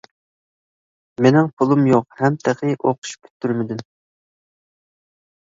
مېنىڭ پۇلۇم يوق ھەم تېخى ئوقۇش پۈتتۈرمىدىم.